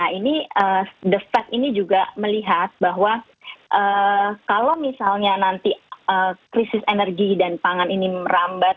nah ini the fed ini juga melihat bahwa kalau misalnya nanti krisis energi dan pangan ini merambat